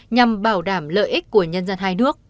nhằm bảo đảm lợi ích của nhân dân hai nước